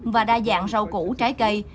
và đa dạng rau củ trái cây